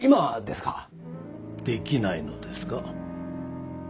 できないのですか？